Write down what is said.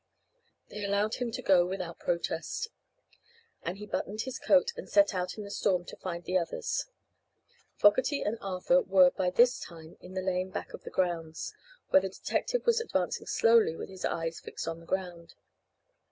They allowed him to go without protest, and he buttoned his coat and set out in the storm to find the others. Fogerty and Arthur were by this time in the lane back of the grounds, where the detective was advancing slowly with his eyes fixed on the ground.